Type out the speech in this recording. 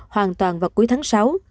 hoàn toàn vào cuối tháng sáu